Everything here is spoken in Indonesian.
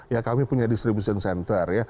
ya kami punya distribution center ya